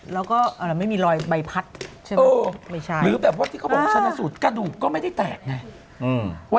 แล้วก็ไม่มีรอยใบพัดใช่ไหมหรือแบบว่าที่เขาบอกชนะสูตรกระดูกก็ไม่ได้แตกไง